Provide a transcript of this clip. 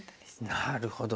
なるほど。